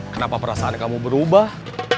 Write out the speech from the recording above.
kenapa perasaan kamu berubah